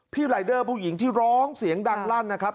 รายเดอร์ผู้หญิงที่ร้องเสียงดังลั่นนะครับ